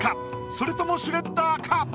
それともシュレッダーか？